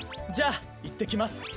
じゃあいってきます。